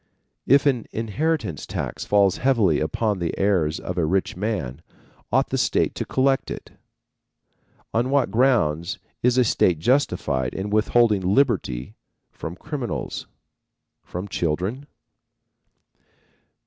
If an inheritance tax falls heavily upon the heirs of a rich man, ought the state to collect it? On what grounds is a state justified in withholding liberty from criminals? From children?